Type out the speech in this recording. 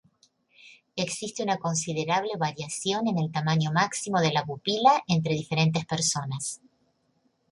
Existe una considerable variación en el tamaño máximo de la pupila entre diferentes personas.